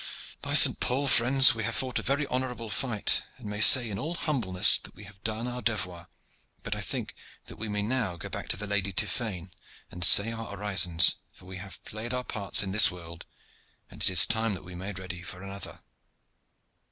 By Saint Paul! friends, we have fought a very honorable fight, and may say in all humbleness that we have done our devoir, but I think that we may now go back to the Lady Tiphaine and say our orisons, for we have played our parts in this world, and it is time that we made ready for another."